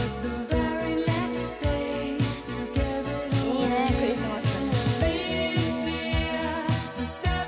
いいねクリスマス。